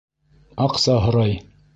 Аҡса һорай?